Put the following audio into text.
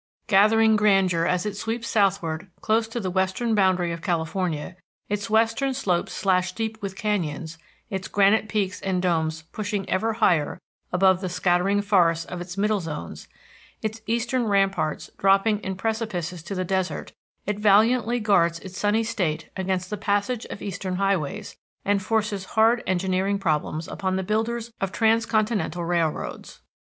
Gathering grandeur as it sweeps southward close to the western boundary of California, its western slopes slashed deep with canyons, its granite peaks and domes pushing ever higher above the scattering forests of its middle zones, its eastern ramparts dropping in precipices to the desert, it valiantly guards its sunny state against the passage of eastern highways, and forces hard engineering problems upon the builders of transcontinental railroads.